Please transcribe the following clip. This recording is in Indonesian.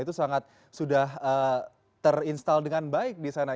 itu sangat sudah terinstall dengan baik di sana